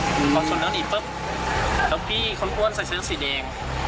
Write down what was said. พอชนแล้วหนีปุ๊บแล้วพี่คนอ้วนใส่เสื้อสีแดง